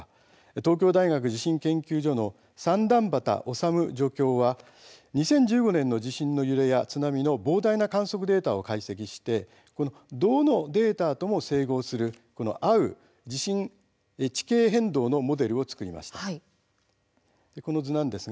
東京大学地震研究所の三反畑修助教は２０１５年の地震の揺れや津波の膨大な観測データを解析してどのデータとも整合する、合う地形変動のモデルを作ったんです。